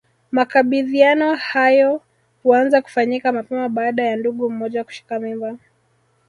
Makabidhiano hayo huanza kufanyika mapema baada ya ndugu mmoja kushika mimba